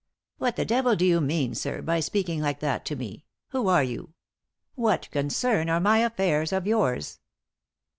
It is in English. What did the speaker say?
" What the devil do you mean, sir, by speaking like that to me ? Who are you ? What concern are my affairs of yours